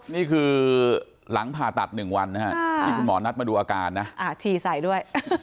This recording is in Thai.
นี่คือหลังผ่าตัด๑วันนะฮะที่คุณหมอนัดมาดูอาการนะฉี่ใส่ด้วย